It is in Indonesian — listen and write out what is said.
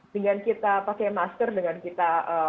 dengan kita pakai masker dengan kita